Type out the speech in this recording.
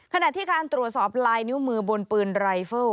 ขณะที่การตรวจสอบลายนิ้วมือบนปืนรายเฟิล